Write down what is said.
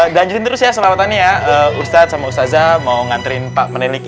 dan juga selamatannya ya ustadz sama ustazah mau nganterin pak meneliti